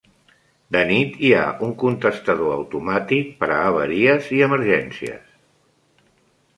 De nit, hi ha un contestador automàtic per a avaries i emergències.